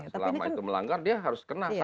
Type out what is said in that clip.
selama itu melanggar dia harus kena